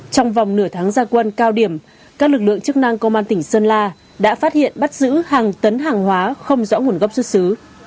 trong vòng nửa tháng gia quân cao điểm các lực lượng chức năng công an tỉnh sơn la đã phát hiện bắt giữ hàng tấn hàng hóa không rõ nguồn gốc xuất xứ